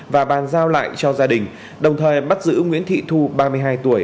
và bàn giao lại cho gia đình đồng thời bắt giữ nguyễn thị thu ba mươi hai tuổi